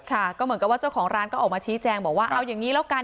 ค่ะก็เหมือนกับว่าเจ้าของร้านก็ออกมาชี้แจงบอกว่าเอาอย่างนี้แล้วกัน